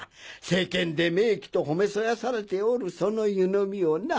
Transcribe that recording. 世間で名器とほめそやされておるその湯のみをな。